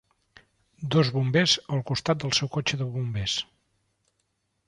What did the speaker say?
Dos bombers al costat del seu cotxe de bombers.